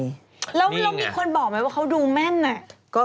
แล้วมีคนบอกไหมว่าเขาดูแม่นอะ